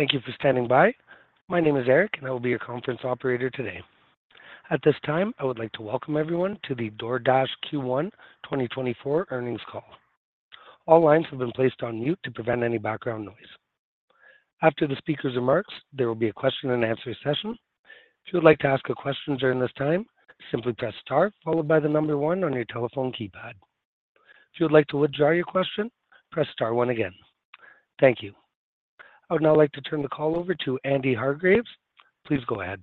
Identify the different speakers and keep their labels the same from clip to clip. Speaker 1: Thank you for standing by. My name is Eric, and I will be your conference operator today. At this time, I would like to welcome everyone to the DoorDash Q1 2024 earnings call. All lines have been placed on mute to prevent any background noise. After the speaker's remarks, there will be a question and answer session. If you would like to ask a question during this time, simply press star followed by the number 1 on your telephone keypad. If you would like to withdraw your question, press star one again. Thank you. I would now like to turn the call over to Andy Hargreaves. Please go ahead.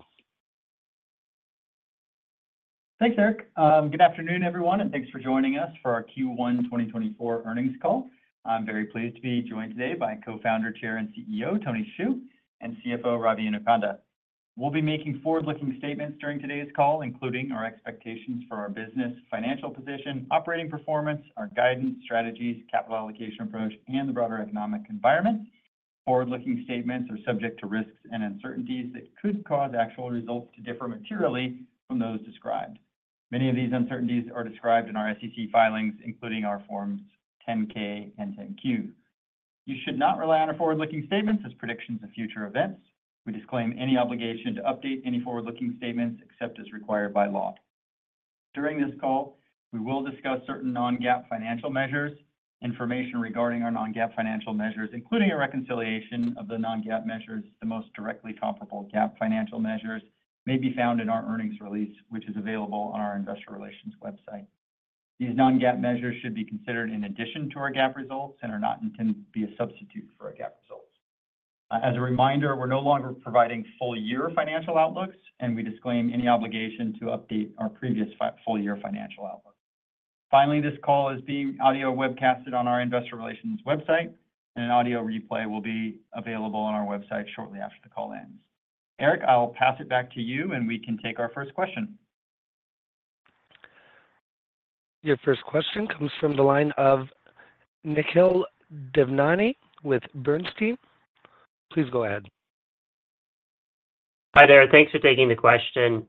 Speaker 2: Thanks, Eric. Good afternoon, everyone, and thanks for joining us for our Q1 2024 earnings call. I'm very pleased to be joined today by Co-founder, Chair, and CEO Tony Xu, and CFO Ravi Inukonda. We'll be making forward-looking statements during today's call, including our expectations for our business, financial position, operating performance, our guidance, strategies, capital allocation approach, and the broader economic environment. Forward-looking statements are subject to risks and uncertainties that could cause actual results to differ materially from those described. Many of these uncertainties are described in our SEC filings, including our Forms 10-K and 10-Q. You should not rely on our forward-looking statements as predictions of future events. We disclaim any obligation to update any forward-looking statements except as required by law. During this call, we will discuss certain non-GAAP financial measures. Information regarding our non-GAAP financial measures, including a reconciliation of the non-GAAP measures, the most directly comparable GAAP financial measures, may be found in our earnings release, which is available on our investor relations website. These non-GAAP measures should be considered in addition to our GAAP results and are not intended to be a substitute for our GAAP results. As a reminder, we're no longer providing full-year financial outlooks, and we disclaim any obligation to update our previous full-year financial outlook. Finally, this call is being audio webcasted on our investor relations website, and an audio replay will be available on our website shortly after the call ends. Eric, I will pass it back to you, and we can take our first question.
Speaker 1: Your first question comes from the line of Nikhil Devnani with Bernstein. Please go ahead.
Speaker 3: Hi, there. Thanks for taking the question.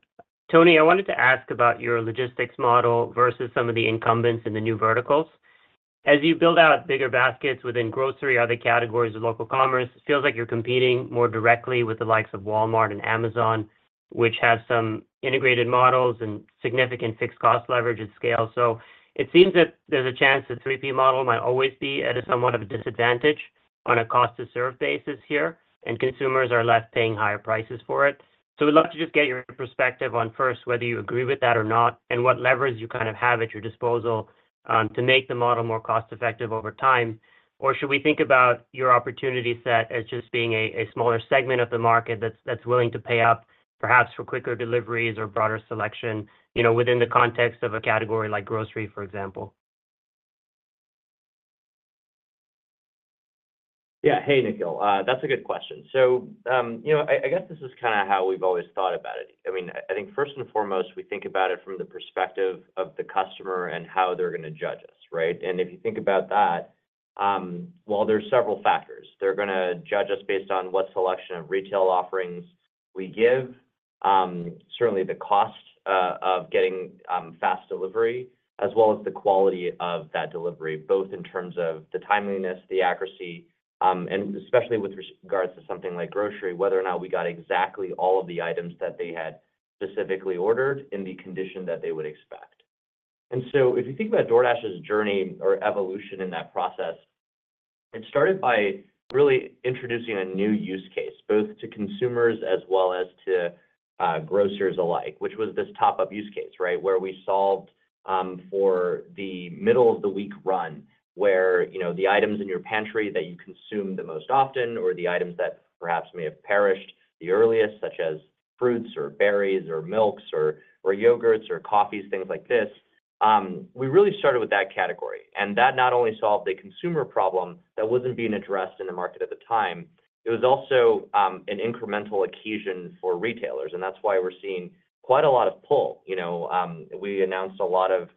Speaker 3: Tony, I wanted to ask about your logistics model versus some of the incumbents in the New Verticals. As you build out bigger baskets within grocery, other categories of local commerce, it feels like you're competing more directly with the likes of Walmart and Amazon, which have some integrated models and significant fixed cost leverage at scale. So it seems that there's a chance the 3P model might always be at a somewhat of a disadvantage on a cost to serve basis here, and consumers are left paying higher prices for it. So we'd love to just get your perspective on first, whether you agree with that or not, and what leverage you kind of have at your disposal, to make the model more cost-effective over time. Or should we think about your opportunity set as just being a smaller segment of the market that's willing to pay up, perhaps for quicker deliveries or broader selection, you know, within the context of a category like grocery, for example?
Speaker 4: Yeah. Hey, Nikhil. That's a good question. So, you know, I guess this is kind of how we've always thought about it. I mean, I think first and foremost, we think about it from the perspective of the customer and how they're going to judge us, right? And if you think about that, well, there's several factors. They're going to judge us based on what selection of retail offerings we give, certainly the cost of getting fast delivery, as well as the quality of that delivery, both in terms of the timeliness, the accuracy, and especially with regards to something like grocery, whether or not we got exactly all of the items that they had specifically ordered in the condition that they would expect. And so if you think about DoorDash's journey or evolution in that process, it started by really introducing a new use case, both to consumers as well as to grocers alike, which was this top-up use case, right? Where we solved for the middle-of-the-week run, where, you know, the items in your pantry that you consume the most often or the items that perhaps may have perished the earliest, such as fruits or berries or milks or yogurts or coffees, things like this. We really started with that category, and that not only solved a consumer problem that wasn't being addressed in the market at the time, it was also an incremental occasion for retailers, and that's why we're seeing quite a lot of pull. You know, we announced a lot of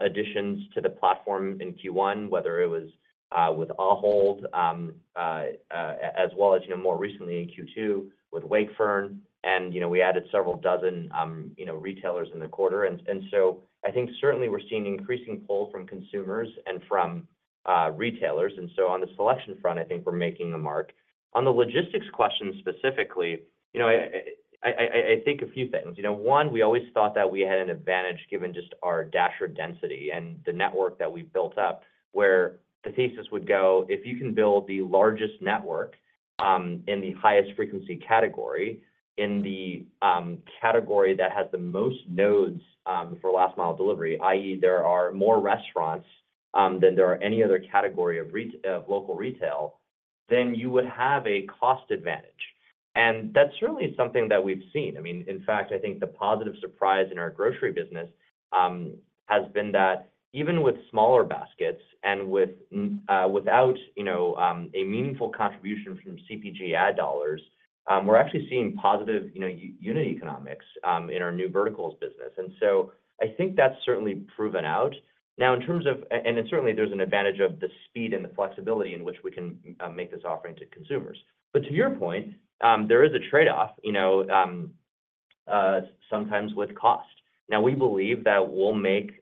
Speaker 4: additions to the platform in Q1, whether it was with Ahold, as well as, you know, more recently in Q2 with Wakefern, and, you know, we added several dozen retailers in the quarter. And so I think certainly we're seeing increasing pull from consumers and from retailers, and so on the selection front, I think we're making a mark. On the logistics question specifically, you know, I think a few things. You know, one, we always thought that we had an advantage, given just our Dasher density and the network that we've built up, where the thesis would go, if you can build the largest network in the highest frequency category, in the category that has the most nodes for last mile delivery, i.e., there are more restaurants than there are any other category of local retail, then you would have a cost advantage. And that's certainly something that we've seen. I mean, in fact, I think the positive surprise in our grocery business has been that even with smaller baskets and with, without, you know, a meaningful contribution from CPG ad dollars, we're actually seeing positive, you know, unit economics in our New Verticals business, and so I think that's certainly proven out. Now, in terms of... And certainly, there's an advantage of the speed and the flexibility in which we can make this offering to consumers. But to your point, there is a trade-off. You know, sometimes with cost. Now we believe that we'll make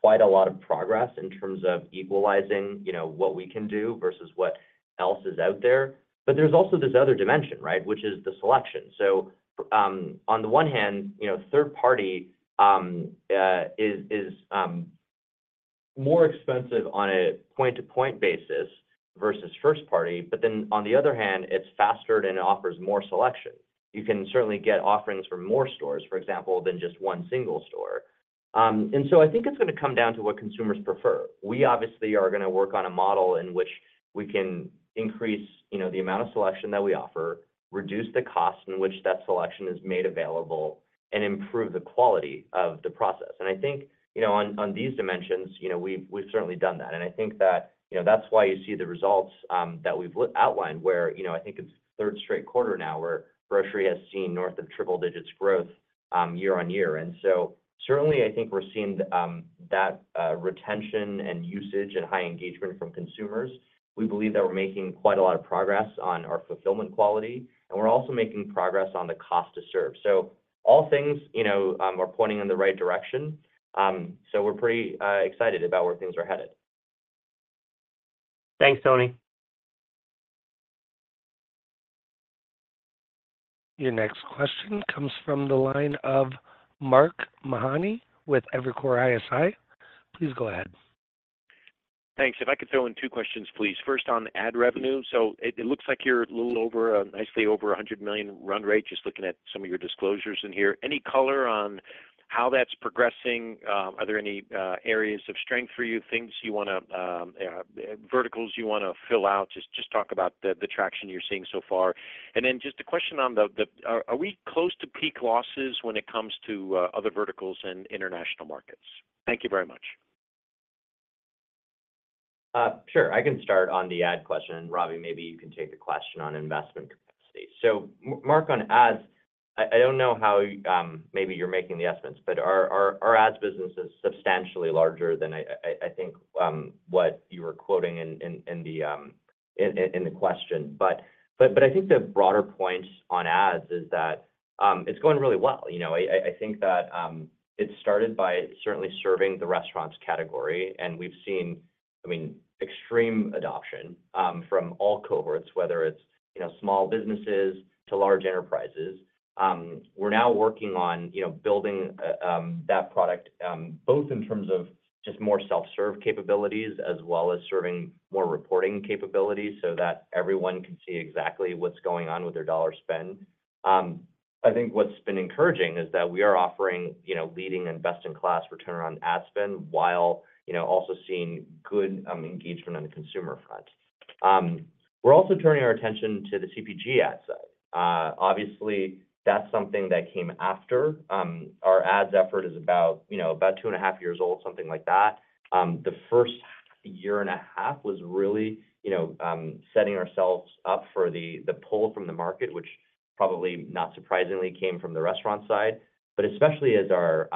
Speaker 4: quite a lot of progress in terms of equalizing, you know, what we can do versus what else is out there. But there's also this other dimension, right, which is the selection. So, on the one hand, you know, third party is more expensive on a point-to-point basis versus first party, but then on the other hand, it's faster and it offers more selection. You can certainly get offerings from more stores, for example, than just one single store. And so I think it's gonna come down to what consumers prefer. We obviously are gonna work on a model in which we can increase, you know, the amount of selection that we offer, reduce the cost in which that selection is made available, and improve the quality of the process. And I think, you know, on these dimensions, you know, we've certainly done that. And I think that, you know, that's why you see the results that we've outlined where, you know, I think it's third straight quarter now, where grocery has seen north of triple digits growth year-on-year. And so certainly, I think we're seeing that retention and usage and high engagement from consumers. We believe that we're making quite a lot of progress on our fulfillment quality, and we're also making progress on the cost to serve. So all things, you know, are pointing in the right direction. We're pretty excited about where things are headed.
Speaker 3: Thanks, Tony.
Speaker 1: Your next question comes from the line of Mark Mahaney with Evercore ISI. Please go ahead.
Speaker 5: Thanks. If I could throw in two questions, please. First, on ad revenue. So it looks like you're a little over nicely over $100 million run rate, just looking at some of your disclosures in here. Any color on how that's progressing? Are there any areas of strength for you, things you wanna verticals you wanna fill out? Just talk about the traction you're seeing so far. And then just a question on the. Are we close to peak losses when it comes to other verticals and international markets? Thank you very much.
Speaker 4: Sure. I can start on the ad question, and Ravi, maybe you can take the question on investment capacity. So Mark, on ads, I don't know how, maybe you're making the estimates, but our ads business is substantially larger than I think what you were quoting in the question. But I think the broader point on ads is that it's going really well. You know, I think that it started by certainly serving the restaurants category, and we've seen, I mean, extreme adoption from all cohorts, whether it's, you know, small businesses to large enterprises. We're now working on, you know, building that product, both in terms of just more self-serve capabilities, as well as serving more reporting capabilities so that everyone can see exactly what's going on with their dollar spend. I think what's been encouraging is that we are offering, you know, leading and best-in-class return on ad spend, while, you know, also seeing good engagement on the consumer front. We're also turning our attention to the CPG ad side. Obviously, that's something that came after. Our ads effort is about, you know, about two and a half years old, something like that. The first year in a half was really, you know, setting ourselves up for the pull from the market, which probably not surprisingly, came from the restaurant side. Especially as our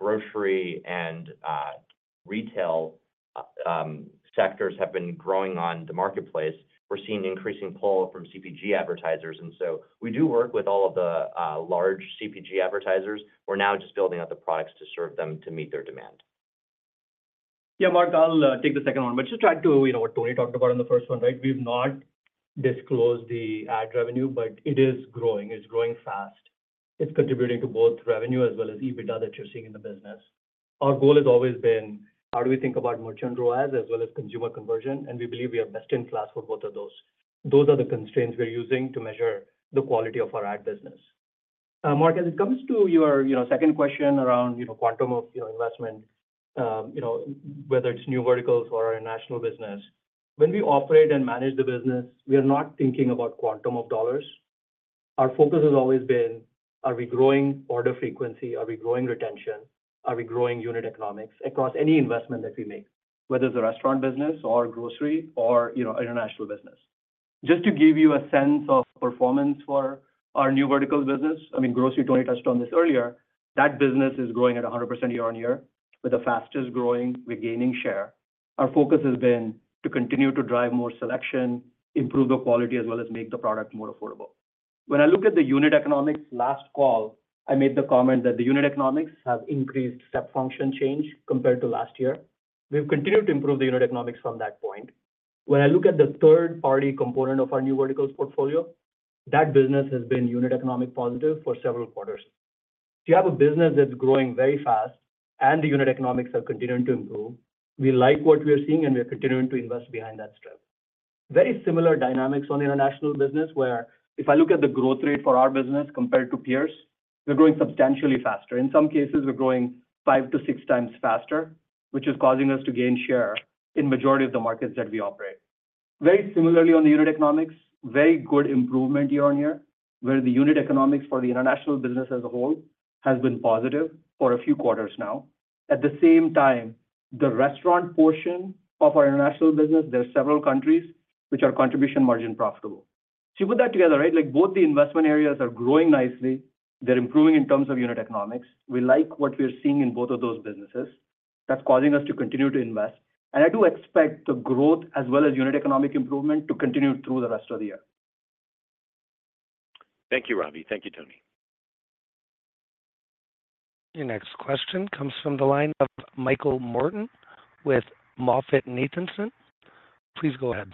Speaker 4: grocery and retail sectors have been growing on the marketplace, we're seeing increasing pull from CPG advertisers, and so we do work with all of the large CPG advertisers. We're now just building out the products to serve them to meet their demand.
Speaker 6: Yeah, Mark, I'll take the second one. But just try to, you know, what Tony talked about in the first one, right? We've not disclosed the ad revenue, but it is growing. It's growing fast. It's contributing to both revenue as well as EBITDA that you're seeing in the business. Our goal has always been, how do we think about merchant grow ads as well as consumer conversion, and we believe we are best in class for both of those. Those are the constraints we're using to measure the quality of our ad business. Mark, as it comes to your, you know, second question around, you know, quantum of, you know, investment, whether it's New Verticals or our national business. When we operate and manage the business, we are not thinking about quantum of dollars. Our focus has always been, are we growing order frequency? Are we growing retention? Are we growing unit economics across any investment that we make, whether it's a restaurant business or grocery or, you know, international business? Just to give you a sense of performance for our New Verticals business, I mean, grocery, Tony touched on this earlier, that business is growing at 100% year-on-year, with the fastest growing, we're gaining share. Our focus has been to continue to drive more selection, improve the quality, as well as make the product more affordable. When I look at the unit economics last call, I made the comment that the unit economics have increased step function change compared to last year. We've continued to improve the unit economics from that point. When I look at the third-party component of our New Verticals portfolio, that business has been unit economic positive for several quarters. You have a business that's growing very fast, and the unit economics are continuing to improve. We like what we are seeing, and we are continuing to invest behind that strength. Very similar dynamics on international business, where if I look at the growth rate for our business compared to peers, we're growing substantially faster. In some cases, we're growing five to six times faster, which is causing us to gain share in majority of the markets that we operate. Very similarly, on the unit economics, very good improvement year-on-year, where the unit economics for the international business as a whole has been positive for a few quarters now. At the same time, the restaurant portion of our international business, there are several countries which are contribution margin profitable. So you put that together, right? Like, both the investment areas are growing nicely. They're improving in terms of unit economics. We like what we're seeing in both of those businesses, that's causing us to continue to invest. I do expect the growth as well as unit economic improvement to continue through the rest of the year.
Speaker 5: Thank you, Ravi. Thank you, Tony.
Speaker 1: Your next question comes from the line of Michael Morton with MoffettNathanson. Please go ahead.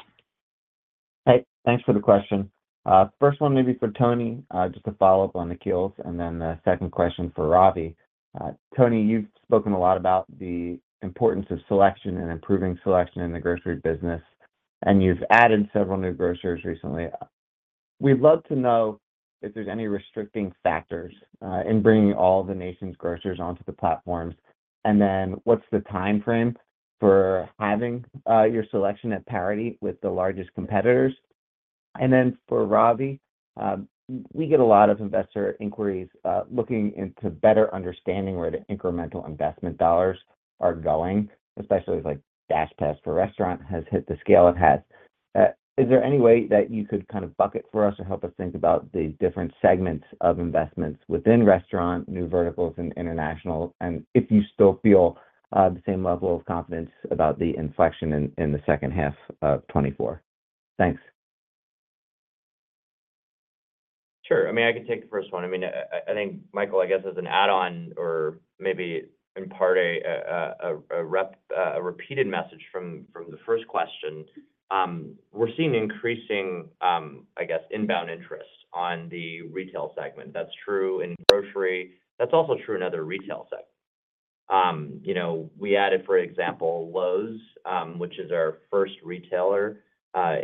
Speaker 7: Hey, thanks for the question. First one maybe for Tony, just to follow up on the deals, and then the second question for Ravi. Tony, you've spoken a lot about the importance of selection and improving selection in the grocery business, and you've added several new grocers recently. We'd love to know if there's any restrictive factors in bringing all the nation's grocers onto the platforms. And then, what's the time frame for having your selection at parity with the largest competitors? And then for Ravi, we get a lot of investor inquiries looking into better understanding where the incremental investment dollars are going, especially as, like, DashPass for restaurant has hit the scale it has. Is there any way that you could kind of bucket for us or help us think about the different segments of investments within restaurant, New Verticals, and international? And if you still feel the same level of confidence about the inflection in the second half of 2024? Thanks.
Speaker 4: Sure. I mean, I can take the first one. I mean, I think Michael, I guess, as an add-on or maybe in part a repeated message from the first question, we're seeing increasing, I guess, inbound interest on the retail segment. That's true in grocery. That's also true in other retail segments. You know, we added, for example, Lowe's, which is our first retailer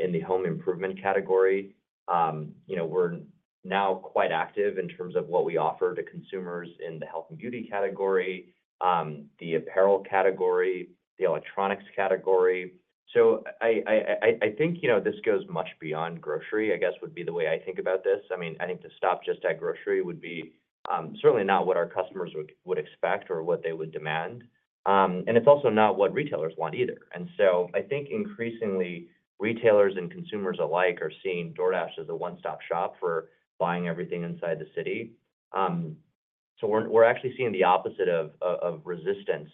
Speaker 4: in the home improvement category. You know, we're now quite active in terms of what we offer to consumers in the health and beauty category, the apparel category, the electronics category. So I think, you know, this goes much beyond grocery, I guess, would be the way I think about this. I mean, I think to stop just at grocery would be certainly not what our customers would expect or what they would demand. And it's also not what retailers want either. And so I think increasingly, retailers and consumers alike are seeing DoorDash as a one-stop shop for buying everything inside the city. So we're actually seeing the opposite of resistance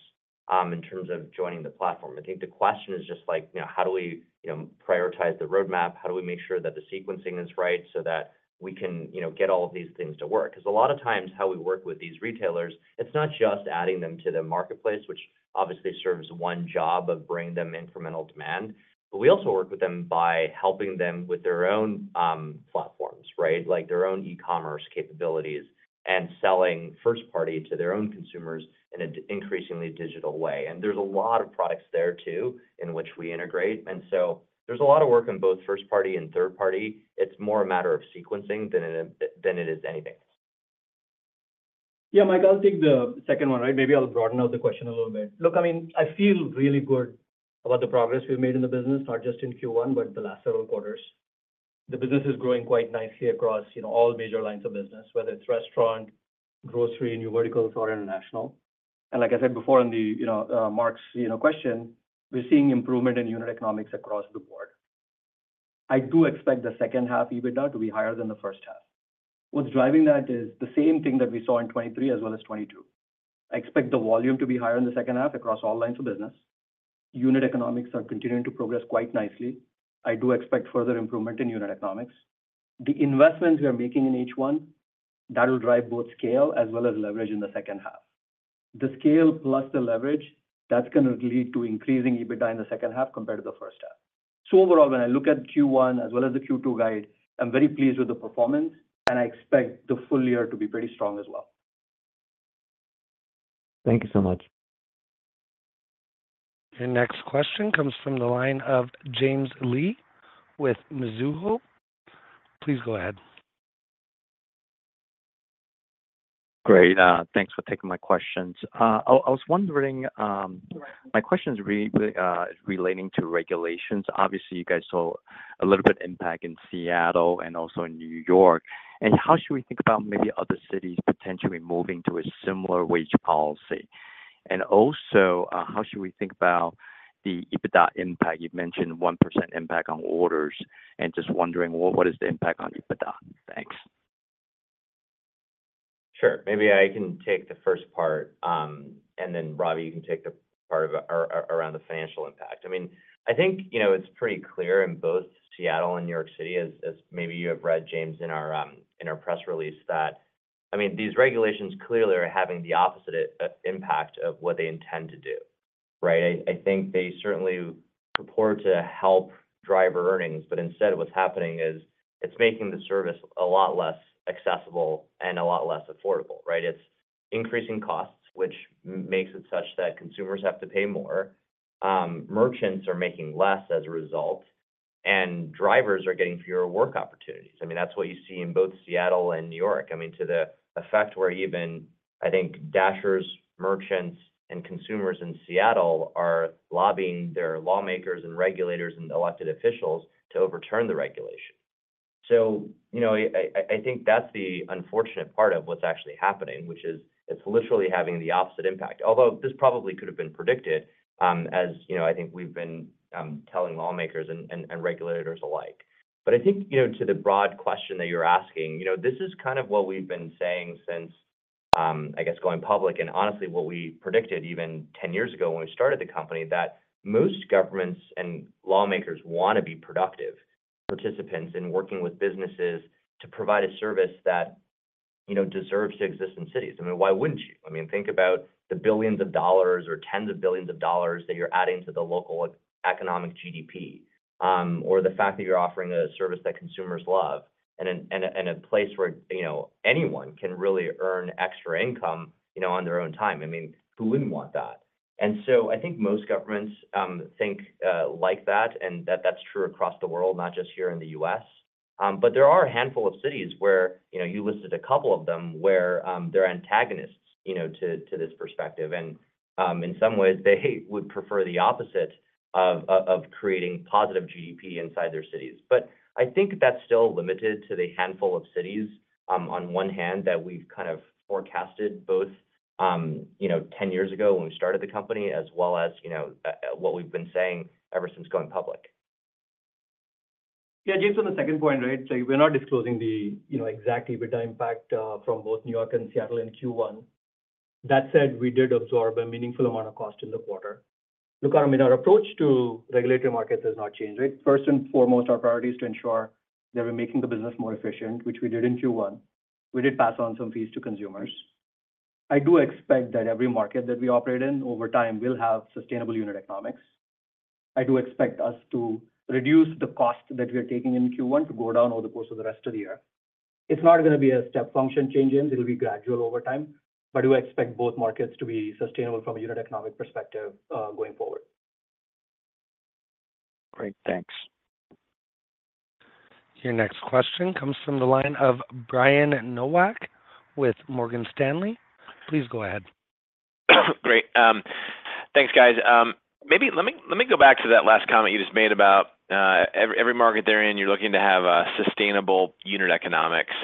Speaker 4: in terms of joining the platform. I think the question is just like, you know, how do we, you know, prioritize the roadmap? How do we make sure that the sequencing is right so that we can, you know, get all of these things to work? 'Cause a lot of times how we work with these retailers, it's not just adding them to the marketplace, which obviously serves one job of bringing them incremental demand, but we also work with them by helping them with their own platforms, right? Like, their own e-commerce capabilities, and selling first party to their own consumers in an increasingly digital way. And there's a lot of products there, too, in which we integrate. And so there's a lot of work on both first party and third party. It's more a matter of sequencing than it, than it is anything.
Speaker 6: Yeah, Mike, I'll take the second one, right? Maybe I'll broaden out the question a little bit. Look, I mean, I feel really good about the progress we've made in the business, not just in Q1, but the last several quarters. The business is growing quite nicely across, you know, all major lines of business, whether it's restaurant, grocery, New Verticals, or international. And like I said before, in the, you know, Mark's, you know, question, we're seeing improvement in unit economics across the board. I do expect the second half EBITDA to be higher than the first half. What's driving that is the same thing that we saw in 2023 as well as 2022. I expect the volume to be higher in the second half across all lines of business. Unit economics are continuing to progress quite nicely. I do expect further improvement in unit economics. The investments we are making in H1, that will drive both scale as well as leverage in the second half. The scale plus the leverage, that's gonna lead to increasing EBITDA in the second half compared to the first half. So overall, when I look at Q1 as well as the Q2 guide, I'm very pleased with the performance, and I expect the full year to be pretty strong as well.
Speaker 7: Thank you so much.
Speaker 1: Your next question comes from the line of James Lee with Mizuho. Please go ahead.
Speaker 8: Great, thanks for taking my questions. I was wondering. My question is relating to regulations. Obviously, you guys saw a little bit impact in Seattle and also in New York. And how should we think about maybe other cities potentially moving to a similar wage policy? And also, how should we think about the EBITDA impact? You've mentioned 1% impact on orders, and just wondering, what is the impact on EBITDA? Thanks.
Speaker 4: Sure. Maybe I can take the first part, and then, Ravi, you can take the part around the financial impact. I mean, I think, you know, it's pretty clear in both Seattle and New York City, as maybe you have read, James, in our press release, that, I mean, these regulations clearly are having the opposite impact of what they intend to do, right? I think they certainly purport to help driver earnings, but instead, what's happening is, it's making the service a lot less accessible and a lot less affordable, right? It's increasing costs, which makes it such that consumers have to pay more, merchants are making less as a result, and drivers are getting fewer work opportunities. I mean, that's what you see in both Seattle and New York. I mean, to the effect where even, I think, Dashers, merchants, and consumers in Seattle are lobbying their lawmakers and regulators and elected officials to overturn the regulation. So, you know, I think that's the unfortunate part of what's actually happening, which is it's literally having the opposite impact. Although, this probably could have been predicted, as, you know, I think we've been telling lawmakers and regulators alike. But I think, you know, to the broad question that you're asking, you know, this is kind of what we've been saying since-... I guess going public, and honestly, what we predicted even 10 years ago when we started the company, that most governments and lawmakers want to be productive participants in working with businesses to provide a service that, you know, deserves to exist in cities. I mean, why wouldn't you? I mean, think about the billions of dollars or tens of billions of dollars that you're adding to the local economic GDP, or the fact that you're offering a service that consumers love, and a place where, you know, anyone can really earn extra income, you know, on their own time. I mean, who wouldn't want that? I think most governments think like that, and that's true across the world, not just here in the U.S. But there are a handful of cities where, you know, you listed a couple of them, where they're antagonists to this perspective. In some ways, they would prefer the opposite of creating positive GDP inside their cities. But I think that's still limited to the handful of cities, on one hand, that we've kind of forecasted both, you know, 10 years ago when we started the company, as well as, you know, what we've been saying ever since going public.
Speaker 6: Yeah, James, on the second point, right? So we're not disclosing the, you know, exact EBITDA impact from both New York and Seattle in Q1. That said, we did absorb a meaningful amount of cost in the quarter. Look, I mean, our approach to regulatory markets has not changed, right? First and foremost, our priority is to ensure that we're making the business more efficient, which we did in Q1. We did pass on some fees to consumers. I do expect that every market that we operate in, over time, will have sustainable unit economics. I do expect us to reduce the cost that we are taking in Q1 to go down over the course of the rest of the year. It's not gonna be a step function change, it'll be gradual over time, but we expect both markets to be sustainable from a unit economics perspective, going forward.
Speaker 8: Great, thanks.
Speaker 1: Your next question comes from the line of Brian Nowak with Morgan Stanley. Please go ahead.
Speaker 9: Great. Thanks, guys. Maybe let me go back to that last comment you just made about every market they're in, you're looking to have a sustainable unit economics.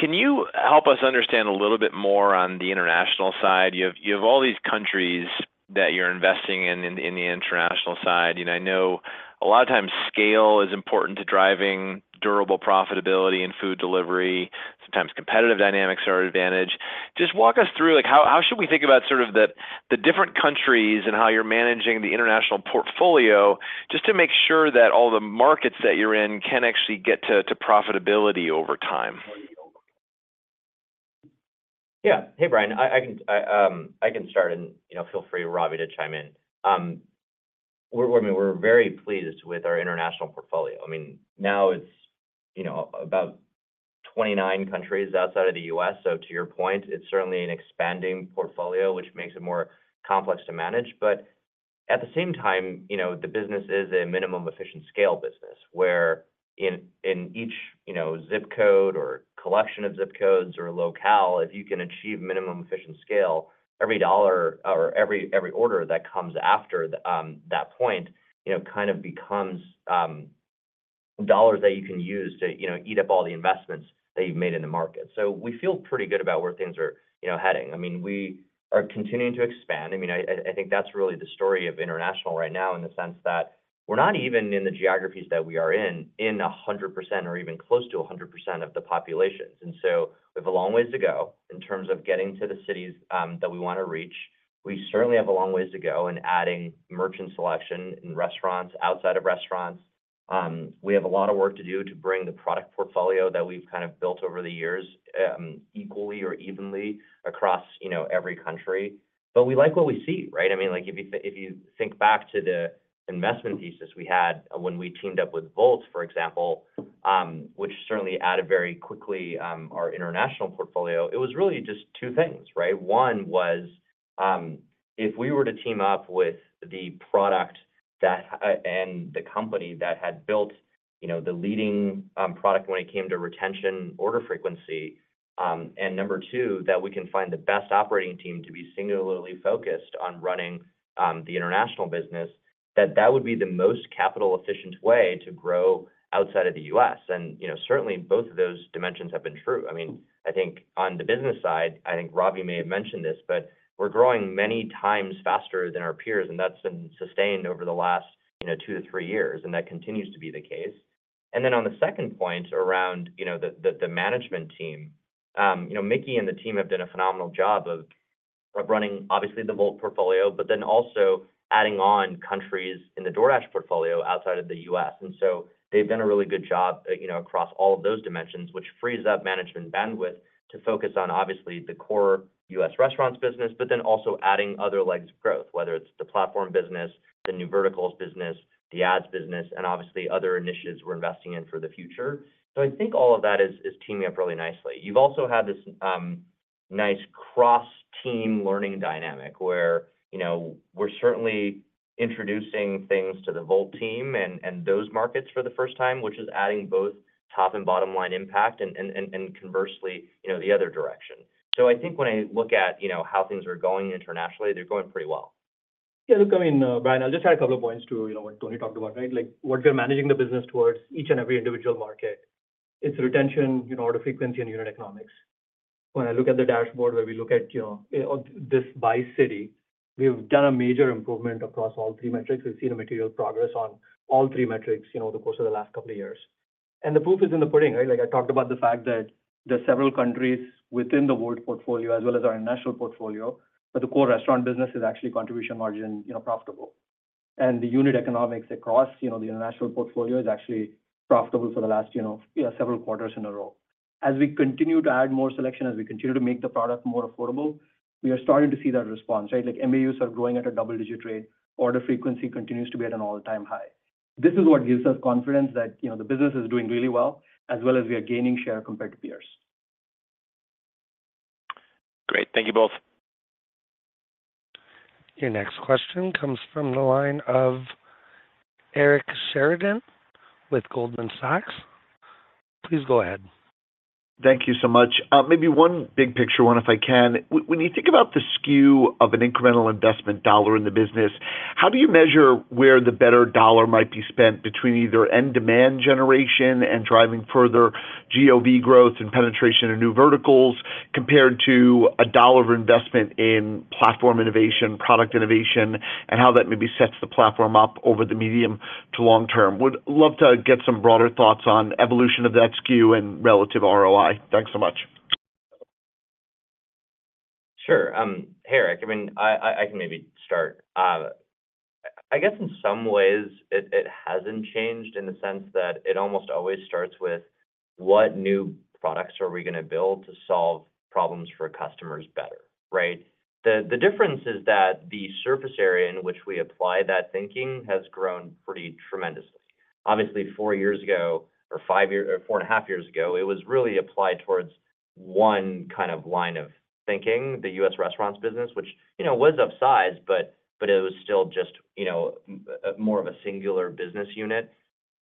Speaker 9: Can you help us understand a little bit more on the international side? You have all these countries that you're investing in, in the international side, and I know a lot of times scale is important to driving durable profitability and food delivery. Sometimes competitive dynamics are an advantage. Just walk us through, like, how should we think about sort of the different countries and how you're managing the international portfolio, just to make sure that all the markets that you're in can actually get to profitability over time?
Speaker 4: Yeah. Hey, Brian, I can start and, you know, feel free, Ravi, to chime in. We're, I mean, we're very pleased with our international portfolio. I mean, now it's, you know, about 29 countries outside of the U.S., so to your point, it's certainly an expanding portfolio, which makes it more complex to manage. But at the same time, you know, the business is a minimum efficient scale business, where in each, you know, ZIP code or collection of ZIP codes or locale, if you can achieve minimum efficient scale, every dollar or every order that comes after that point, you know, kind of becomes dollars that you can use to, you know, eat up all the investments that you've made in the market. So we feel pretty good about where things are, you know, heading. I mean, we are continuing to expand. I mean, I think that's really the story of international right now, in the sense that we're not even in the geographies that we are in, in 100% or even close to 100% of the populations. And so we have a long ways to go in terms of getting to the cities that we want to reach. We certainly have a long ways to go in adding merchant selection in restaurants, outside of restaurants. We have a lot of work to do to bring the product portfolio that we've kind of built over the years, equally or evenly across, you know, every country. But we like what we see, right? I mean, like, if you, if you think back to the investment thesis we had when we teamed up with Wolt, for example, which certainly added very quickly our international portfolio, it was really just two things, right? One was, if we were to team up with the product that and the company that had built, you know, the leading product when it came to retention, order frequency. And number two, that we can find the best operating team to be singularly focused on running the international business, that that would be the most capital-efficient way to grow outside of the U.S. And, you know, certainly both of those dimensions have been true. I mean, I think on the business side, I think Ravi may have mentioned this, but we're growing many times faster than our peers, and that's been sustained over the last, you know, two to three years, and that continues to be the case. And then on the second point around, you know, the management team, you know, Miki and the team have done a phenomenal job of running, obviously, the Wolt portfolio, but then also adding on countries in the DoorDash portfolio outside of the U.S.. And so they've done a really good job, you know, across all of those dimensions, which frees up management bandwidth to focus on, obviously, the core U.S. restaurants business, but then also adding other legs of growth, whether it's the platform business, the New Verticals business, the ads business, and obviously, other initiatives we're investing in for the future. So I think all of that is teaming up really nicely. You've also had this nice cross-team learning dynamic, where, you know, we're certainly introducing things to the Wolt team and conversely, you know, the other direction. So I think when I look at, you know, how things are going internationally, they're going pretty well.
Speaker 6: Yeah, look, I mean, Brian, I'll just add a couple of points to, you know, what Tony talked about, right? Like, what we're managing the business towards each and every individual market, it's retention, you know, order frequency, and unit economics. When I look at the dashboard where we look at, you know, this by city, we've done a major improvement across all three metrics. We've seen a material progress on all three metrics, you know, over the course of the last couple of years, and the proof is in the pudding, right? Like I talked about the fact that there are several countries within the world portfolio as well as our international portfolio, but the core restaurant business is actually contribution margin, you know, profitable. The unit economics across, you know, the international portfolio is actually profitable for the last, you know, yeah, several quarters in a row. As we continue to add more selection, as we continue to make the product more affordable, we are starting to see that response, right? Like, MAUs are growing at a double-digit rate. Order frequency continues to be at an all-time high. This is what gives us confidence that, you know, the business is doing really well, as well as we are gaining share compared to peers.
Speaker 9: Great. Thank you both.
Speaker 1: Your next question comes from the line of Eric Sheridan with Goldman Sachs. Please go ahead.
Speaker 10: Thank you so much. Maybe one big picture one, if I can. When you think about the SKU of an incremental investment dollar in the business, how do you measure where the better dollar might be spent between either end demand generation and driving further GOV growth and penetration in New Verticals, compared to a dollar of investment in platform innovation, product innovation, and how that maybe sets the platform up over the medium to long term? Would love to get some broader thoughts on evolution of that SKU and relative ROI. Thanks so much.
Speaker 4: Sure. Hey, Eric, I mean, I can maybe start. I guess in some ways it hasn't changed in the sense that it almost always starts with: what new products are we gonna build to solve problems for customers better, right? The difference is that the surface area in which we apply that thinking has grown pretty tremendously. Obviously, four years ago, or five years—or four and a half years ago, it was really applied towards one kind of line of thinking, the U.S. restaurants business, which, you know, was of size, but it was still just, you know, more of a singular business unit.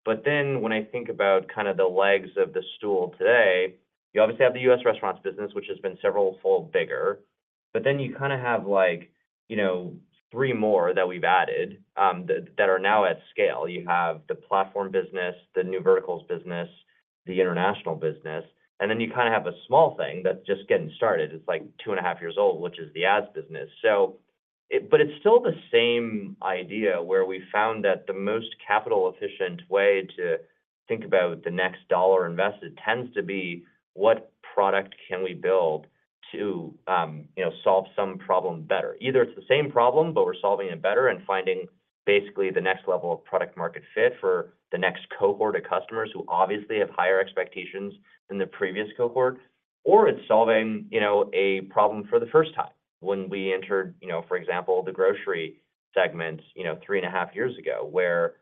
Speaker 4: But then when I think about kind of the legs of the stool today, you obviously have the U.S. restaurants business, which has been severalfold bigger, but then you kind of have like, you know, three more that we've added, that, that are now at scale. You have the platform business, the New Verticals business, the international business, and then you kind of have a small thing that's just getting started. It's like two and a half years old, which is the ads business. So it, but it's still the same idea, where we found that the most capital efficient way to think about the next dollar invested tends to be, what product can we build to, you know, solve some problem better? Either it's the same problem, but we're solving it better and finding basically the next level of product-market fit for the next cohort of customers who obviously have higher expectations than the previous cohort, or it's solving, you know, a problem for the first time. When we entered, you know, for example, the grocery segment, you know, three and a half years ago, where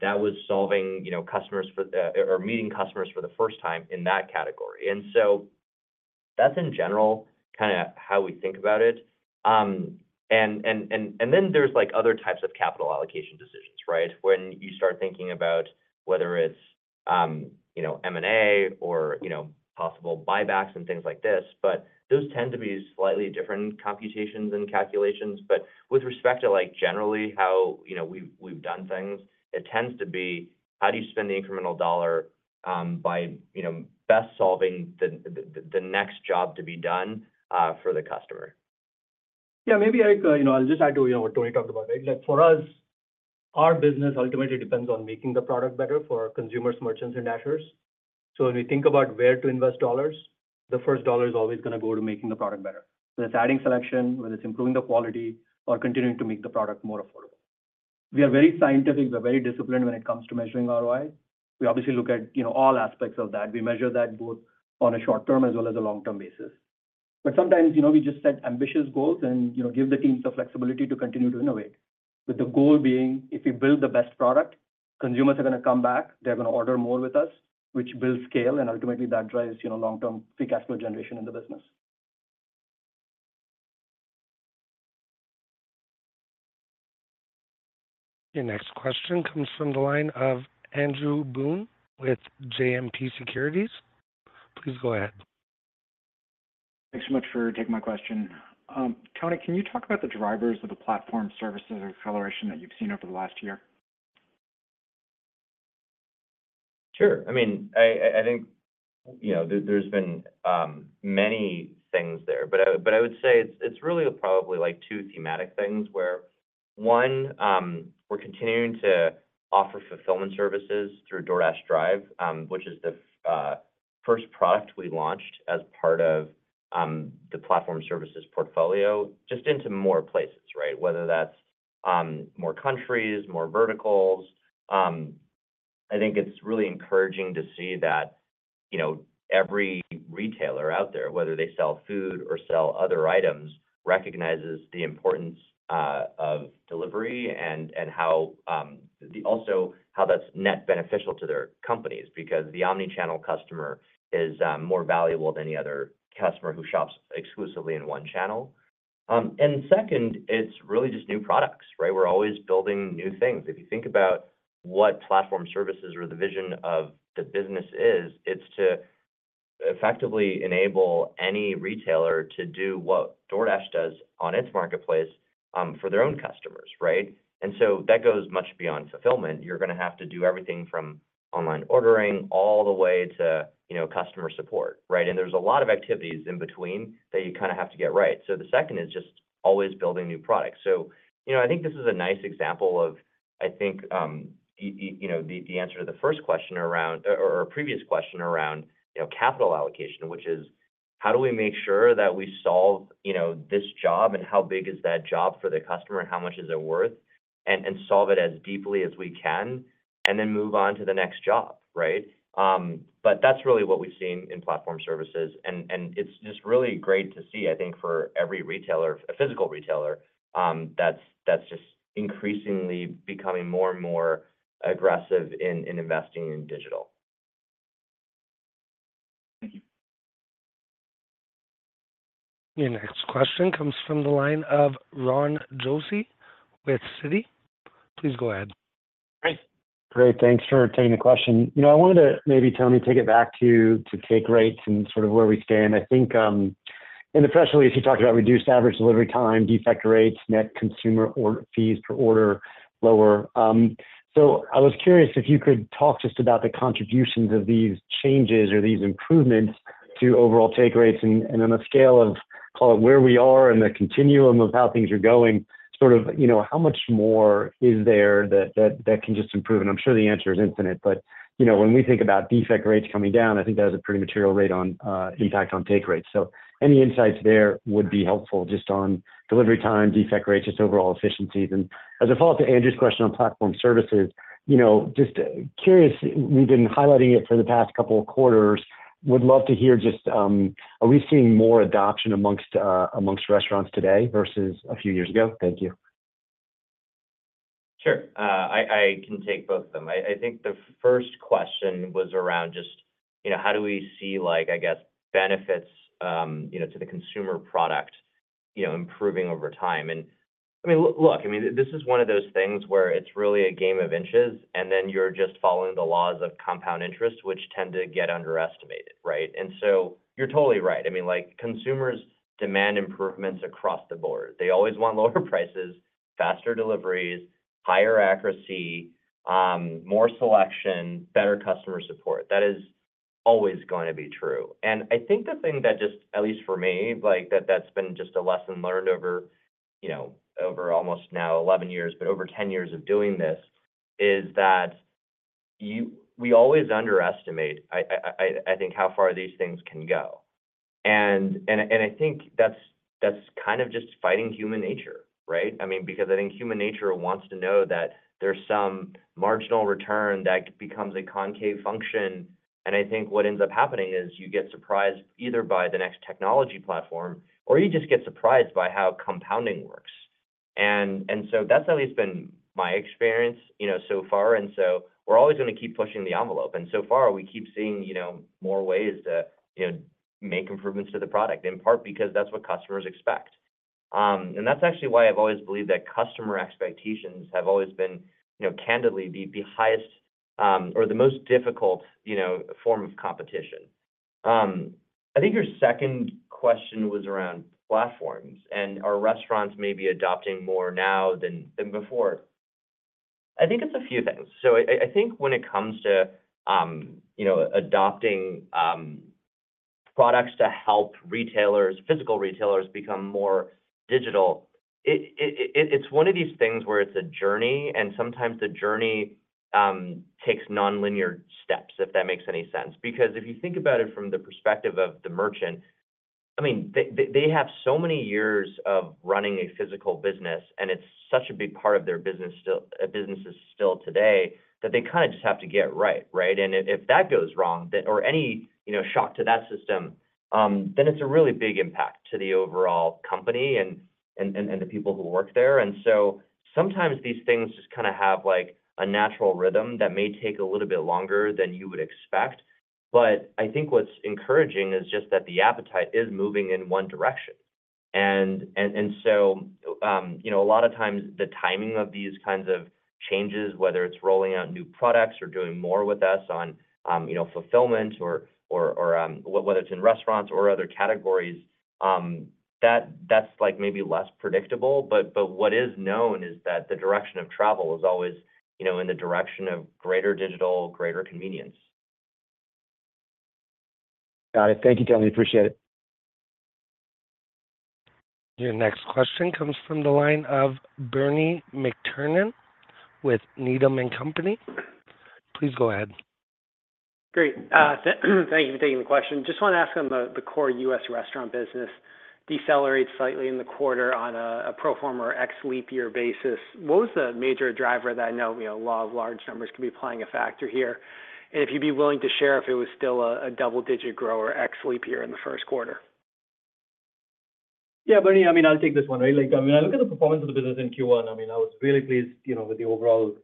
Speaker 4: that was solving, you know, customers for, or meeting customers for the first time in that category. And so that's in general kind of how we think about it. And then there's, like, other types of capital allocation decisions, right? When you start thinking about whether it's, you know, M&A or, you know, possible buybacks and things like this, but those tend to be slightly different computations and calculations. With respect to, like, generally how, you know, we've done things, it tends to be: how do you spend the incremental dollar, by, you know, best solving the next job to be done, for the customer?
Speaker 6: Yeah, maybe, Eric, you know, I'll just add to, you know, what Tony talked about, right? Like, for us, our business ultimately depends on making the product better for our consumers, merchants, and dashers. So when we think about where to invest dollars, the first dollar is always gonna go to making the product better, whether it's adding selection, whether it's improving the quality, or continuing to make the product more affordable. We are very scientific, we're very disciplined when it comes to measuring ROI. We obviously look at, you know, all aspects of that. We measure that both on a short-term as well as a long-term basis. Sometimes, you know, we just set ambitious goals and, you know, give the teams the flexibility to continue to innovate, with the goal being, if we build the best product, consumers are gonna come back, they're gonna order more with us, which builds scale, and ultimately that drives, you know, long-term free cash flow generation in the business.
Speaker 1: Your next question comes from the line of Andrew Boone with JMP Securities. Please go ahead.
Speaker 11: Thanks so much for taking my question. Tony, can you talk about the drivers of the Platform Services acceleration that you've seen over the last year?
Speaker 4: Sure. I mean, I think, you know, there's been many things there, but I would say it's really probably like two thematic things, where, one, we're continuing to offer fulfillment services through DoorDash Drive, which is the first product we launched as part of the Platform Services portfolio, just into more places, right? Whether that's more countries, more verticals. I think it's really encouraging to see that, you know, every retailer out there, whether they sell food or sell other items, recognizes the importance of delivery and how also how that's net beneficial to their companies, because the omni-channel customer is more valuable than any other customer who shops exclusively in one channel. And second, it's really just new products, right? We're always building new things. If you think about what Platform Services or the vision of the business is, it's to effectively enable any retailer to do what DoorDash does on its marketplace, for their own customers, right? And so that goes much beyond fulfillment. You're gonna have to do everything from online ordering all the way to, you know, customer support, right? And there's a lot of activities in between that you kind of have to get right. So the second is just always building new products. So, you know, I think this is a nice example of, I think, you know, the answer to the first question around, or previous question around, you know, capital allocation, which is... How do we make sure that we solve, you know, this job, and how big is that job for the customer, and how much is it worth? And solve it as deeply as we can, and then move on to the next job, right? But that's really what we've seen in Platform Services, and it's just really great to see, I think, for every retailer, a physical retailer, that's just increasingly becoming more and more aggressive in investing in digital.
Speaker 11: Thank you.
Speaker 1: Your next question comes from the line of Ron Josey with Citi. Please go ahead.
Speaker 12: Great. Great, thanks for taking the question. You know, I wanted to maybe, Tony, take it back to take rates and sort of where we stand. I think in the press release, you talked about reduced average delivery time, defect rates, net consumer order fees per order, lower. So I was curious if you could talk just about the contributions of these changes or these improvements to overall take rates. And on a scale of, call it, where we are in the continuum of how things are going, sort of, you know, how much more is there that can just improve? And I'm sure the answer is infinite, but you know, when we think about defect rates coming down, I think that has a pretty material rate on impact on take rates. Any insights there would be helpful, just on delivery times, defect rates, just overall efficiencies. As a follow-up to Andrew's question on Platform Services, you know, just curious, we've been highlighting it for the past couple of quarters, would love to hear just, are we seeing more adoption amongst, amongst restaurants today versus a few years ago? Thank you.
Speaker 4: Sure. I can take both of them. I think the first question was around just, you know, how do we see like, I guess, benefits, you know, to the consumer product, you know, improving over time? And I mean, look, look, I mean, this is one of those things where it's really a game of inches, and then you're just following the laws of compound interest, which tend to get underestimated, right? And so you're totally right. I mean, like, consumers demand improvements across the board. They always want lower prices, faster deliveries, higher accuracy, more selection, better customer support. That is always gonna be true. I think the thing that just, at least for me, like, that's been just a lesson learned over, you know, over almost now 11 years, but over 10 years of doing this, is that we always underestimate, I think, how far these things can go. And I think that's kind of just fighting human nature, right? I mean, because I think human nature wants to know that there's some marginal return that becomes a concave function. And I think what ends up happening is you get surprised either by the next technology platform or you just get surprised by how compounding works. And so that's at least been my experience, you know, so far. And so we're always gonna keep pushing the envelope, and so far, we keep seeing, you know, more ways to, you know, make improvements to the product, in part because that's what customers expect. And that's actually why I've always believed that customer expectations have always been, you know, candidly, the highest, or the most difficult, you know, form of competition. I think your second question was around platforms, and are restaurants maybe adopting more now than before? I think it's a few things. I think when it comes to, you know, adopting products to help retailers, physical retailers become more digital, it's one of these things where it's a journey, and sometimes the journey takes nonlinear steps, if that makes any sense. Because if you think about it from the perspective of the merchant, I mean, they have so many years of running a physical business, and it's such a big part of their business still, businesses still today, that they kind of just have to get it right, right? And if that goes wrong, then, or any, you know, shock to that system, then it's a really big impact to the overall company and the people who work there. And so sometimes these things just kind of have, like, a natural rhythm that may take a little bit longer than you would expect. But I think what's encouraging is just that the appetite is moving in one direction. So, you know, a lot of times, the timing of these kinds of changes, whether it's rolling out new products or doing more with us on, you know, fulfillment or whether it's in restaurants or other categories, that's, like, maybe less predictable. But what is known is that the direction of travel is always, you know, in the direction of greater digital, greater convenience.
Speaker 12: Got it. Thank you, Tony. Appreciate it.
Speaker 1: Your next question comes from the line of Bernie McTernan with Needham & Company. Please go ahead.
Speaker 13: Great. Thank you for taking the question. Just want to ask on the core U.S. restaurant business decelerated slightly in the quarter on a pro forma or ex-leap year basis. What was the major driver that I know, you know, a lot of large numbers could be playing a factor here? And if you'd be willing to share if it was still a double-digit grow or ex-leap year in the first quarter.
Speaker 6: Yeah, Bernie, I mean, I'll take this one. When I look at the performance of the business in Q1, I mean, I was really pleased, you know, with the overall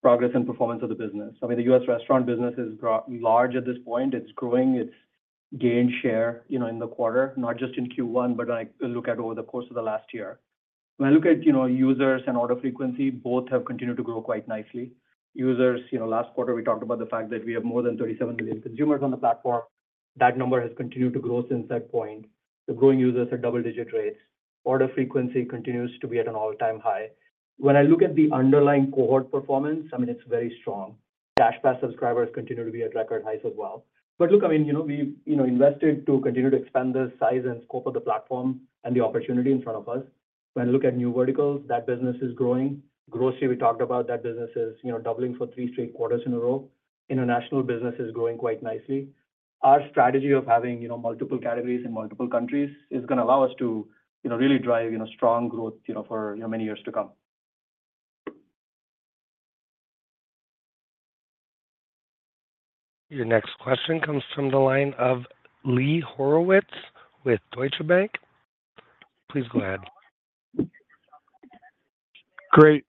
Speaker 6: progress and performance of the business. I mean, the U.S. restaurant business is profitable at this point. It's growing, it's gained share, you know, in the quarter, not just in Q1, but when I look at over the course of the last year. When I look at, you know, users and order frequency, both have continued to grow quite nicely. Users, you know, last quarter, we talked about the fact that we have more than 37 million consumers on the platform. That number has continued to grow since that point. The growing users are double-digit rates. Order frequency continues to be at an all-time high. When I look at the underlying cohort performance, I mean, it's very strong. DashPass subscribers continue to be at record highs as well. But look, I mean, you know, we've, you know, invested to continue to expand the size and scope of the platform and the opportunity in front of us…. When I look at New Verticals, that business is growing. Grocery, we talked about, that business is, you know, doubling for three straight quarters in a row. International business is growing quite nicely. Our strategy of having, you know, multiple categories in multiple countries is gonna allow us to, you know, really drive, you know, strong growth, you know, for, you know, many years to come.
Speaker 1: Your next question comes from the line of Lee Horowitz with Deutsche Bank. Please go ahead.
Speaker 14: Great.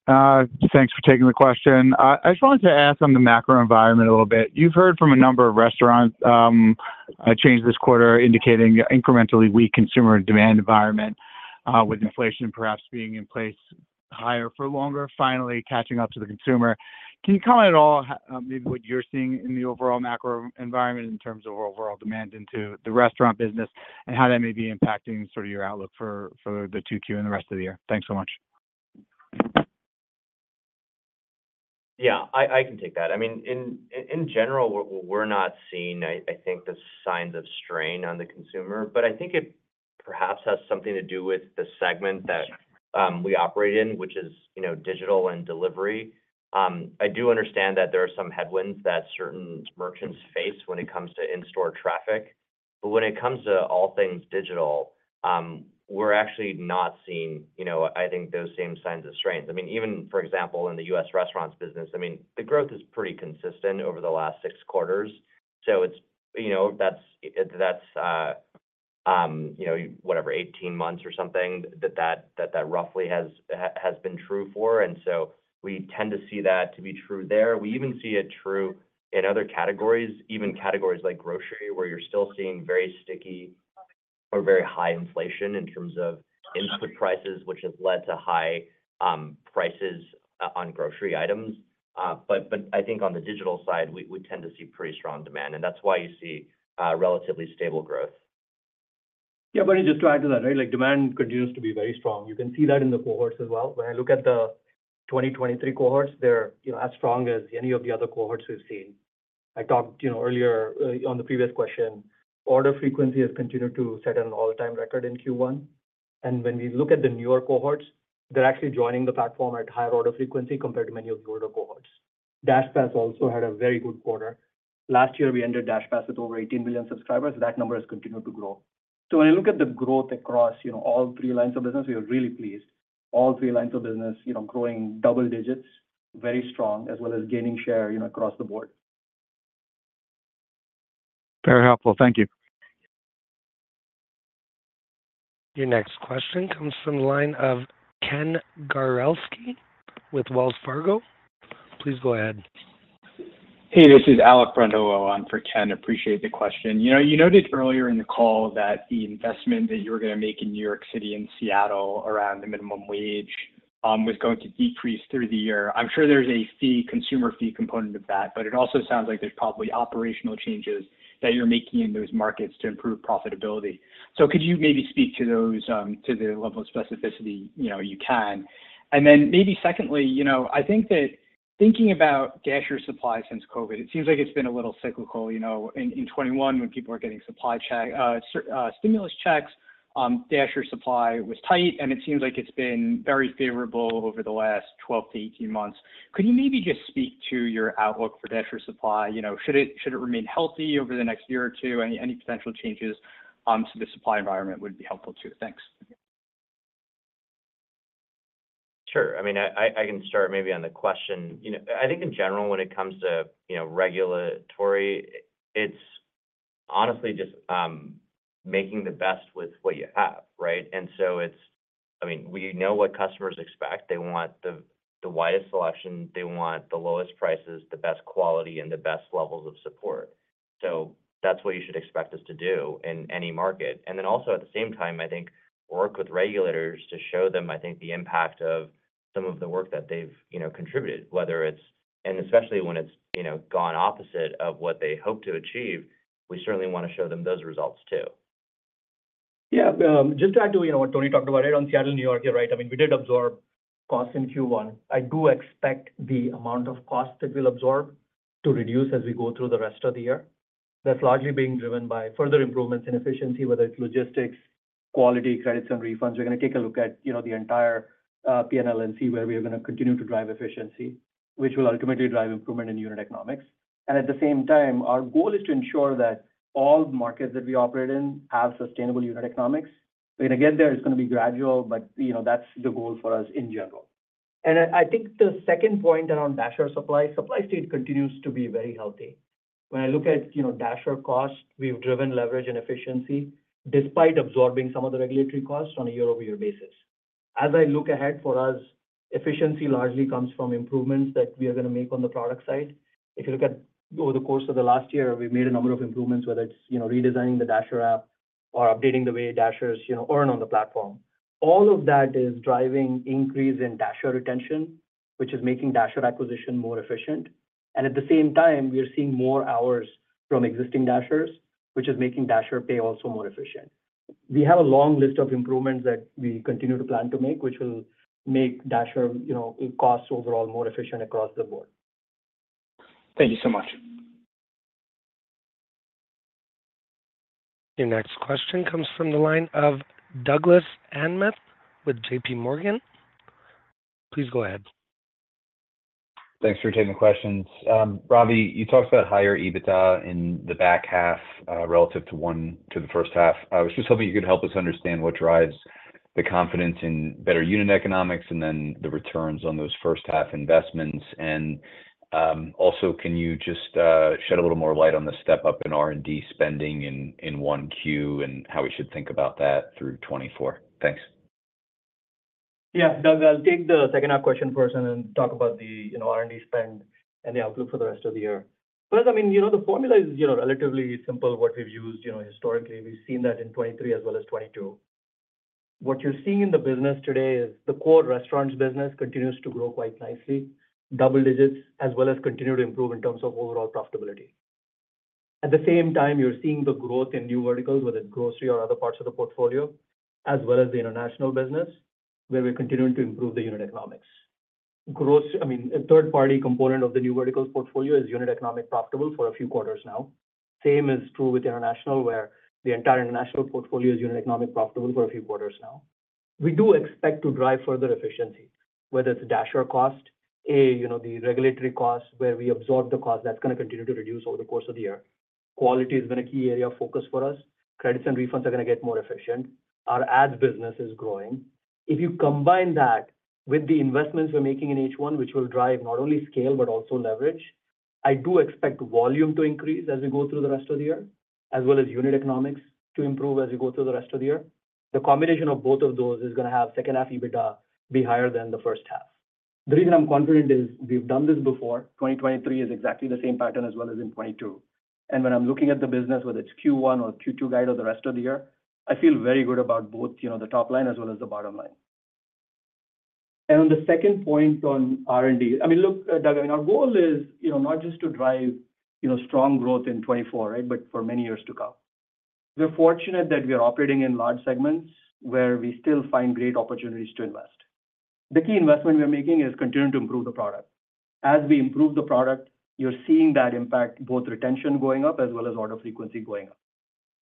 Speaker 14: Thanks for taking the question. I just wanted to ask on the macro environment a little bit. You've heard from a number of restaurants, a change this quarter indicating incrementally weak consumer demand environment, with inflation perhaps being in place higher for longer, finally catching up to the consumer. Can you comment at all, maybe what you're seeing in the overall macro environment in terms of overall demand into the restaurant business, and how that may be impacting sort of your outlook for 2Q and the rest of the year? Thanks so much.
Speaker 4: Yeah, I can take that. I mean, in general, we're not seeing, I think, the signs of strain on the consumer. But I think it perhaps has something to do with the segment that we operate in, which is, you know, digital and delivery. I do understand that there are some headwinds that certain merchants face when it comes to in-store traffic. But when it comes to all things digital, we're actually not seeing, you know, I think, those same signs of strength. I mean, even for example, in the U.S. restaurants business, I mean, the growth is pretty consistent over the last six quarters. So it's, you know, that's whatever, 18 months or something, that roughly has been true for, and so we tend to see that to be true there. We even see it's true in other categories, even categories like grocery, where you're still seeing very sticky or very high inflation in terms of input prices, which has led to high prices on grocery items. But I think on the digital side, we tend to see pretty strong demand, and that's why you see relatively stable growth.
Speaker 6: Yeah, but just to add to that, right, like, demand continues to be very strong. You can see that in the cohorts as well. When I look at the 2023 cohorts, they're, you know, as strong as any of the other cohorts we've seen. I talked, you know, earlier, on the previous question, order frequency has continued to set an all-time record in Q1. And when we look at the newer cohorts, they're actually joining the platform at higher order frequency compared to many of the older cohorts. DashPass also had a very good quarter. Last year, we ended DashPass with over 18 million subscribers. That number has continued to grow. So when you look at the growth across, you know, all three lines of business, we are really pleased. All three lines of business, you know, growing double digits, very strong, as well as gaining share, you know, across the board.
Speaker 14: Very helpful. Thank you.
Speaker 1: Your next question comes from the line of Ken Gawrelski with Wells Fargo. Please go ahead.
Speaker 15: Hey, this is Alec Brondolo on for Ken. Appreciate the question. You know, you noted earlier in the call that the investment that you were gonna make in New York City and Seattle around the minimum wage was going to decrease through the year. I'm sure there's a fee, consumer fee component of that, but it also sounds like there's probably operational changes that you're making in those markets to improve profitability. So could you maybe speak to those to the level of specificity, you know, you can? And then maybe secondly, you know, I think that thinking about Dasher supply since COVID, it seems like it's been a little cyclical, you know. In 2021, when people are getting stimulus checks, Dasher supply was tight, and it seems like it's been very favorable over the last 12-18 months. Could you maybe just speak to your outlook for Dasher supply? You know, should it, should it remain healthy over the next year or two? Any, any potential changes, to the supply environment would be helpful too. Thanks.
Speaker 4: Sure. I mean, I can start maybe on the question... You know, I think in general, when it comes to, you know, regulatory, it's honestly just making the best with what you have, right? And so it's—I mean, we know what customers expect. They want the widest selection, they want the lowest prices, the best quality, and the best levels of support. So that's what you should expect us to do in any market. And then also, at the same time, I think, work with regulators to show them, I think, the impact of some of the work that they've, you know, contributed, whether it's... And especially when it's, you know, gone opposite of what they hope to achieve, we certainly want to show them those results too.
Speaker 6: Yeah, just to add to, you know, what Tony talked about it, on Seattle, New York, you're right. I mean, we did absorb costs in Q1. I do expect the amount of cost that we'll absorb to reduce as we go through the rest of the year. That's largely being driven by further improvements in efficiency, whether it's logistics, quality, credits, and refunds. We're gonna take a look at, you know, the entire, P&L and see where we are gonna continue to drive efficiency, which will ultimately drive improvement in unit economics. And at the same time, our goal is to ensure that all markets that we operate in have sustainable unit economics. We're gonna get there, it's gonna be gradual, but, you know, that's the goal for us in general. And I, I think the second point around Dasher supply, supply state continues to be very healthy. When I look at, you know, Dasher cost, we've driven leverage and efficiency despite absorbing some of the regulatory costs on a year-over-year basis. As I look ahead for us, efficiency largely comes from improvements that we are gonna make on the product side. If you look at over the course of the last year, we've made a number of improvements, whether it's, you know, redesigning the Dasher app or updating the way Dashers, you know, earn on the platform. All of that is driving increase in Dasher retention, which is making Dasher acquisition more efficient. And at the same time, we are seeing more hours from existing Dashers, which is making Dasher pay also more efficient. We have a long list of improvements that we continue to plan to make, which will make Dasher, you know, costs overall more efficient across the board.
Speaker 15: Thank you so much.
Speaker 1: Your next question comes from the line of Douglas Anmuth with JPMorgan. Please go ahead.
Speaker 16: Thanks for taking the questions. Ravi, you talked about higher EBITDA in the back half, relative to Q1, to the first half. I was just hoping you could help us understand what drives the confidence in better unit economics and then the returns on those first half investments. And, also, can you just shed a little more light on the step-up in R&D spending in Q1 and how we should think about that through 2024? Thanks.
Speaker 6: Yeah, Doug, I'll take the second half question first and then talk about the, you know, R&D spend and the outlook for the rest of the year. First, I mean, you know, the formula is, you know, relatively simple. What we've used, you know, historically, we've seen that in 2023 as well as 2022. What you're seeing in the business today is the core restaurants business continues to grow quite nicely, double digits, as well as continue to improve in terms of overall profitability. At the same time, you're seeing the growth in New Verticals, whether it's grocery or other parts of the portfolio, as well as the international business, where we're continuing to improve the unit economics. Gross, I mean, a third-party component of the New Verticals portfolio is unit economic profitable for a few quarters now. Same is true with international, where the entire international portfolio is unit economics profitable for a few quarters now. We do expect to drive further efficiency, whether it's Dasher cost, you know, the regulatory costs, where we absorb the cost, that's gonna continue to reduce over the course of the year. Quality has been a key area of focus for us. Credits and refunds are gonna get more efficient. Our ads business is growing. If you combine that with the investments we're making in H1, which will drive not only scale but also leverage, I do expect volume to increase as we go through the rest of the year, as well as unit economics to improve as we go through the rest of the year. The combination of both of those is gonna have second half EBITDA be higher than the first half. The reason I'm confident is we've done this before. 2023 is exactly the same pattern as well as in 2022. When I'm looking at the business, whether it's Q1 or Q2 guide or the rest of the year, I feel very good about both, you know, the top line as well as the bottom line. On the second point on R&D, I mean, look, Doug, I mean, our goal is, you know, not just to drive, you know, strong growth in 2024, right? But for many years to come. We're fortunate that we are operating in large segments where we still find great opportunities to invest. The key investment we're making is continuing to improve the product. As we improve the product, you're seeing that impact both retention going up as well as order frequency going up.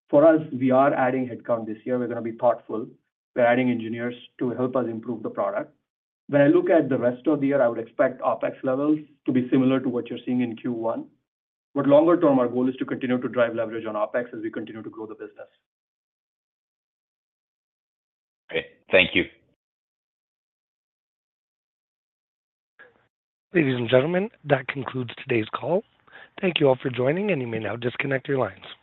Speaker 6: For us, we are adding headcount this year. We're gonna be thoughtful. We're adding engineers to help us improve the product. When I look at the rest of the year, I would expect OpEx levels to be similar to what you're seeing in Q1. But longer term, our goal is to continue to drive leverage on OpEx as we continue to grow the business.
Speaker 16: Great. Thank you.
Speaker 1: Ladies and gentlemen, that concludes today's call. Thank you all for joining, and you may now disconnect your lines.